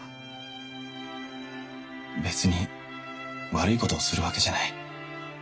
別に悪いことをするわけじゃない。